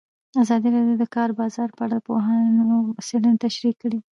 ازادي راډیو د د کار بازار په اړه د پوهانو څېړنې تشریح کړې.